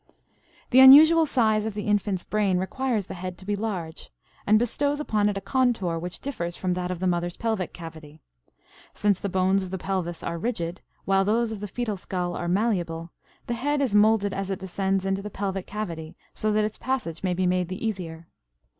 The unusual size of the infant's brain requires the head to be large, and bestows upon it a contour which differs from that of the mother's pelvic cavity. Since the bones of the pelvis are rigid, while those of the fetal skull are malleable, the head is molded as it descends into the pelvic cavity, so that its passage may be made the easier.